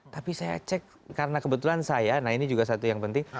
tapi saya cek karena kebetulan saya nah ini juga satu yang penting